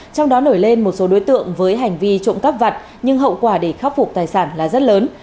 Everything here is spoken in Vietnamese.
trong đó nổi lên một số đối tượng với hành vi trộm cắp vặt nhưng hậu quả để khắc phục tài sản là rất lớn